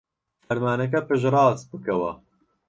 فەرمانەکە پشتڕاست بکەوە.